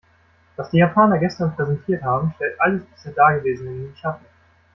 Was die Japaner gestern präsentiert haben, stellt alles bisher dagewesene in den Schatten.